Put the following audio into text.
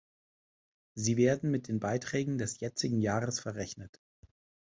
Sie werden mit den Beiträgen des jetzigen Jahres verrechnet.